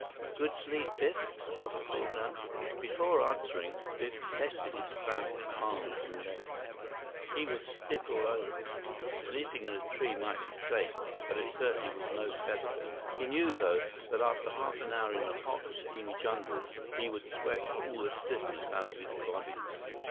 "Good sleep, Biff?" Chuba called down. Before answering, Biff tested his cramped arms and legs. He was stiff all over. Sleeping in a tree might be safe, but it certainly was no featherbed. He knew though, that after half an hour in the hot, steamy jungle, he would sweat all the stiffness out of his body.